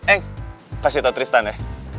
eh kasih tau tristan ya